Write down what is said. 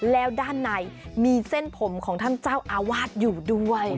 แล้วด้านในมีเส้นผมของท่านเจ้าอาวาสอยู่ด้วย